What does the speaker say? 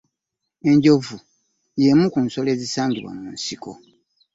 Enjovu y'emu ku nsolo enzisangibwa mu nsiko.